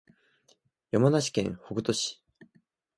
山梨県北杜市